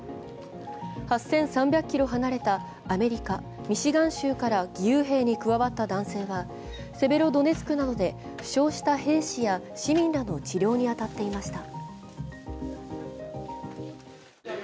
８３００ｋｍ離れたアメリカ・ミシガン州から義勇兵に加わった男性はセベロドネツクなどで負傷した兵士や市民らの治療に当たっていました。